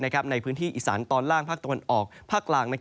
ในพื้นที่อิสานตอนล่างภาคตะวันออกภาคกลาง